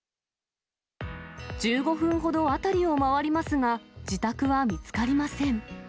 １５分ほど辺りを回りますが、自宅は見つかりません。